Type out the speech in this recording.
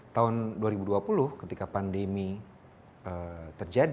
tahun dua ribu dua puluh ketika pandemi terjadi